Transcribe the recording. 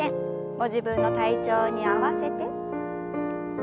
ご自分の体調に合わせて。